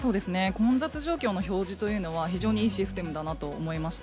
混雑状況の表示というのは、非常にいいシステムだなと思いました。